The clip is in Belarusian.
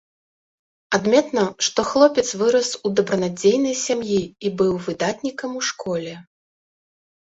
Адметна, што хлопец вырас у добранадзейнай сям'і і быў выдатнікам у школе.